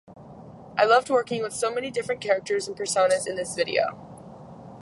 I loved working with so many different characters and personas in this video.